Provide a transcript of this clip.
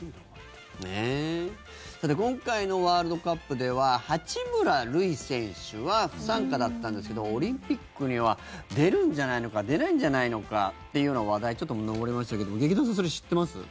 今回のワールドカップでは八村塁選手は不参加だったんですけどオリンピックには出るんじゃないのか出ないんじゃないのかっていうような話題ちょっと上りましたけども劇団さん、それ知ってます？